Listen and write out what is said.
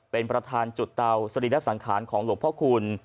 เป็นประธานจุดเตาสรีระสังขารของหลวงพ่อคูณ